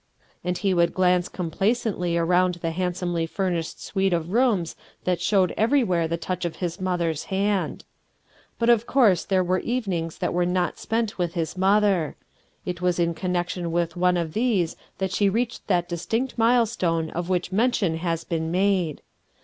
And he would glance complacently' around the handsomely furnished suite of rooms that fehowed everywhere the touch of his mother's hand. But of course there were evenings that were not spent with his mother. It was in connection with one of these that she reached that distinct milestone of which mention has been made.